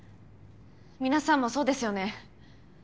皆さんもそうですよね？